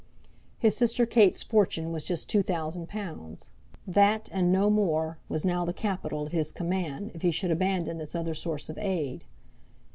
His sister Kate's fortune was just two thousand pounds. That, and no more, was now the capital at his command, if he should abandon this other source of aid.